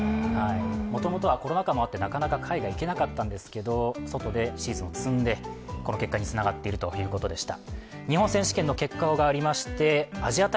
もともとはコロナ禍もあって、なかなか海外に行けなかったんですけど、外でシーズンを積んで、この結果につながっているということでした。